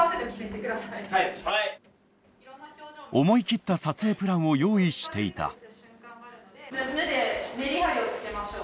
思い切った撮影プランを用意していた。